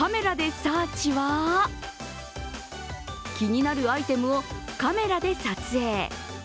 サーチは気になるアイテムをカメラで撮影。